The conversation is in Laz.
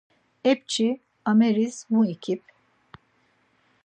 Epçi, ameris mu ikip?